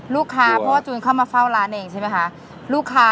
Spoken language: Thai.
ลูกค้าเพราะว่าจูนเข้ามาเฝ้าร้านเองใช่ไหมคะ